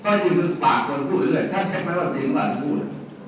ถ้าเช็คไว้ว่าจริงหรือเปล่าจะพูด